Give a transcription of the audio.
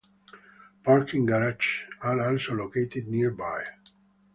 Parking garages are also located nearby.